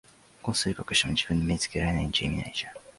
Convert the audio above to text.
こっそり隠しても、自分で見つけられないんじゃ意味ないじゃん。